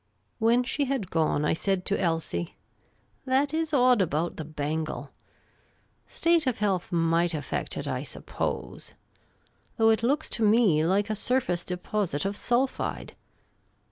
When she had gone, I said to Elsie :" That is odd about the bangle. State of health might affect it, I suppose. Though it looks to me like a surface deposit of sulphide."